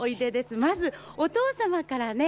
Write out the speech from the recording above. まずお父様からね。